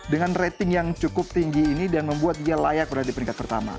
dengan rating yang cukup tinggi ini dan membuat dia layak berada di peringkat pertama